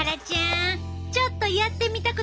ちょっとやってみたくなったやろ？